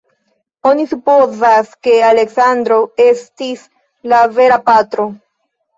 Oni supozas, ke Aleksandro estis la vera patro.